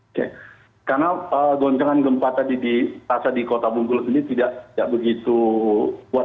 oke karena goncangan gempa tadi di kota bunggul ini tidak begitu kuat